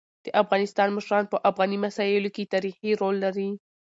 د افغانستان مشران په افغاني مسايلو کيتاریخي رول لري.